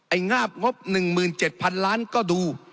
งาบงบ๑๗๐๐๐ล้านก็ดู